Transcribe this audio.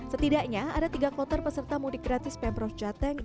setidaknya ada tiga kloter peserta mudik gratis pemprov jateng